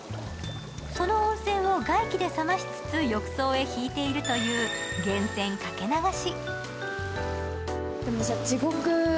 その温泉を外気で冷ましつつ浴槽へ引いているという源泉かけ流し。